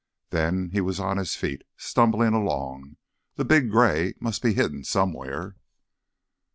Then he was on his feet, stumbling along ... the big gray must be hidden somewhere....